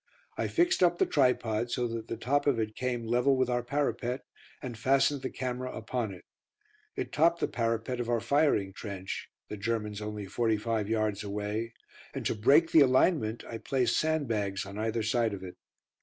I fixed up the tripod so that the top of it came level with our parapet, and fastened the camera upon it. It topped the parapet of our firing trench (the Germans only forty five yards away), and to break the alignment I placed sandbags on either side of it.